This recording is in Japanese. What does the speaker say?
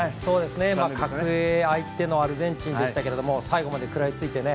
格上相手のアルゼンチンでしたけれども最後まで食らいついてね